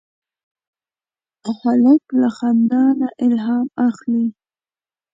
هلک له خندا نه الهام اخلي.